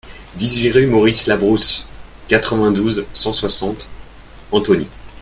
dix-huit rue Maurice Labrousse, quatre-vingt-douze, cent soixante, Antony